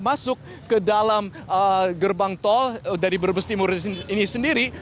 masuk ke dalam gerbang tol dari brebes timur ini sendiri